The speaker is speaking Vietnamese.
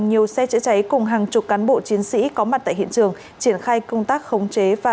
nhiều xe chữa cháy cùng hàng chục cán bộ chiến sĩ có mặt tại hiện trường triển khai công tác khống chế và